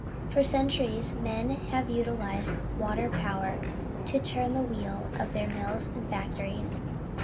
For centuries men have utilized water power to turn the wheels of their mills and factories.